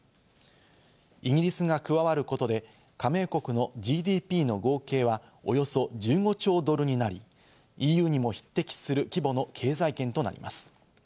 イギリスが加わることで加盟国のＧＤＰの合計はおよそ１５兆ドルになり、ＥＵにも匹敵する規模の経済圏となります。